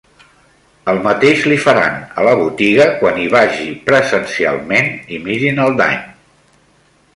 El mateix li faran a la botiga quan hi vagi presencialment i mirin el dany.